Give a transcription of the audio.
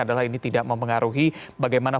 adalah ini tidak mempengaruhi bagaimana